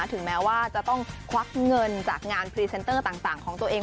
ถึงแม้ว่าจะต้องควักเงินจากงานพรีเซนเตอร์ต่างของตัวเอง